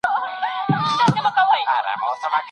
ویره مو په مېړانه له مخي لري کړئ.